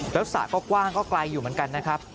แล้วสระก็กว้างก็ไกลอยู่เหมือนกันนะครับ